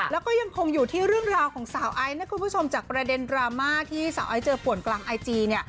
แล้วก็ยังคงอยู่ที่เรื่องราวของสาวไอซ์นะคุณผู้ชมจากประเด็นดราม่าที่สาวไอซ์เจอป่วนกลางไอจีเนี่ย